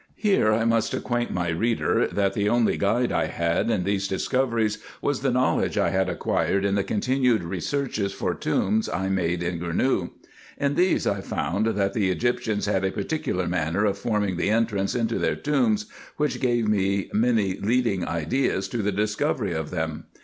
Here I must acquaint my reader, that the only guide I had in these dis coveries was the knowledge I had acquired in the continued researches for tombs I made in Gournou. In these I found, that the Egyptians had a particular manner of forming the entrance into their tombs, which gave me many leading ideas to the discovery of them.